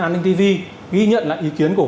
an ninh tv ghi nhận lại ý kiến của